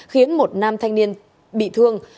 khiến một nam thanh niên bị thương